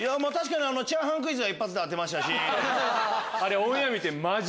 チャーハンクイズは一発で当てましたし。